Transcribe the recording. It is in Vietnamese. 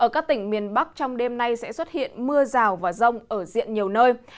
các tỉnh miền bắc trong đêm nay sẽ xuất hiện mưa rào và rông ở diện nhiều nơi